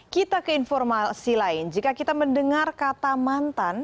kita ke informasi lain jika kita mendengar kata mantan